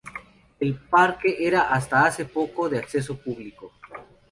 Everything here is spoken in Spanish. El parque era hasta hace poco de acceso público.